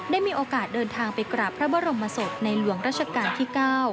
ได้มีโอกาสเดินทางไปกราบพระบรมศพในหลวงราชการที่๙